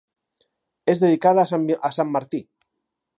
És dedicada a Sant Martí.